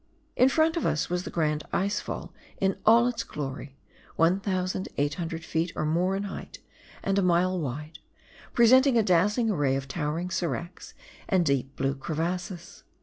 In front of us was the grand ice fall in all its glory, 1,800 ft. or more in height, and a mile wide, presenting a dazzling array of towering seracs and deep blue crevasses.